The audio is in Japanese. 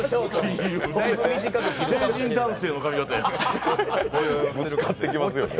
成人男性の髪形や。